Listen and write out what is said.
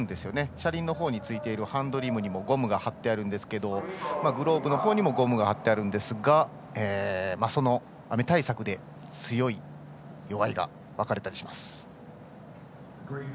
車輪のほうについているハンドリムにもゴムが張ってあるんですけどグローブのほうにもゴムが張ってあるんですがその雨対策で強い弱いが分かれたりします。